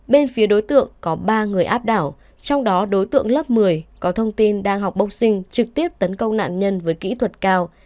bên phía đối tượng có ba người áp đảo trong đó đối tượng lớp một mươi có thông tin đang học bốc sinh trực tiếp tấn công nạn nhân với kỹ thuật cao